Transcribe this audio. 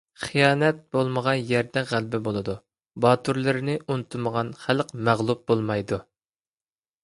خىيانەت بولمىغان يەردە غەلىبە بولىدۇ؛ باتۇرلىرىنى ئۇنتۇمىغان خەلق مەغلۇپ بولمايدۇ.